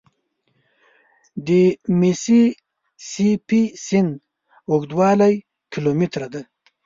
د میسي سي پي سیند اوږدوالی کیلومتره دی.